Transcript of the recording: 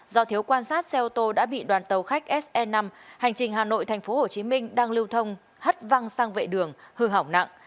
do thiếu quan sát xe ô tô đã bị đoàn tàu khách se năm hành trình hà nội tp hcm đang lưu thông hất văng sang vệ đường hư hỏng nặng